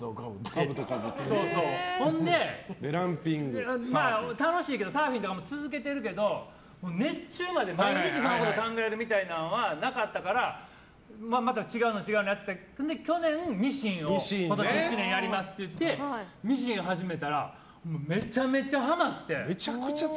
ほんでサーフィンとかも続けてるけど熱中まで毎日そのこと考えるみたいなのはなかったからまた違うの、違うのをやって去年、ミシンを今年１年やりますって言ってミシン始めたらめちゃめちゃハマって。